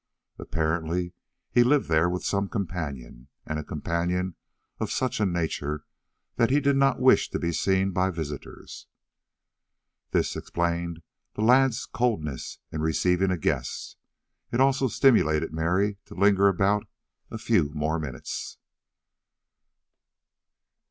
Apparently, he lived there with some companion, and a companion of such a nature that he did not wish him to be seen by visitors. This explained the lad's coldness in receiving a guest; it also stimulated Mary to linger about a few more minutes.